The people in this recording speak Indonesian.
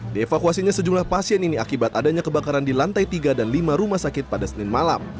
dievakuasinya sejumlah pasien ini akibat adanya kebakaran di lantai tiga dan lima rumah sakit pada senin malam